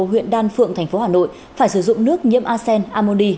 huyện đan phượng thành phố hà nội phải sử dụng nước nhiễm arsen amoni